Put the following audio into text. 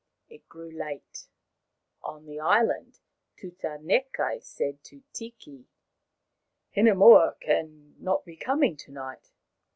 It grew late. On the island Tutanekai said to Tiki :" Hinemoa cannot be coming to night.